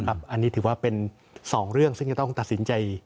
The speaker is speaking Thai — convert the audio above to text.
อันนี้ถือว่าเป็น๒เรื่องซึ่งจะต้องตัดสินใจ